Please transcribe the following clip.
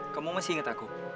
kamu masih inget aku